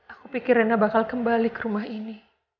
aku pikir rena bakal kembali ke rumah ini